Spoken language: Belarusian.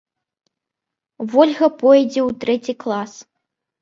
Вольга пойдзе ў трэці клас.